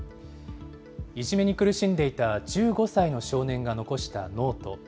いじめに苦しんでいた１５歳の少年が残したノート。